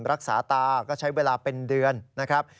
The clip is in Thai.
รักษาตาก็ใช้เวลาเป็นเดือนนะครับ